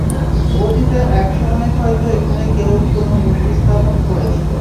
অতীতে এক সময় হয়ত এখানে কেউ কোন মূর্তি স্থাপন করেছিল।